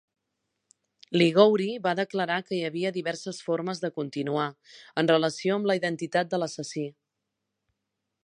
Ligouri va declarar que hi havia diverses formes de continuar, en relació amb la identitat de l"assassí.